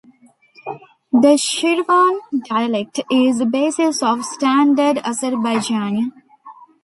The Shirvan dialect is the basis of standard Azerbaijani.